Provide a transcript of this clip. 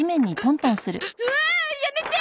うわあやめて！